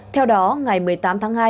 theo đó ngày một mươi tám tháng hai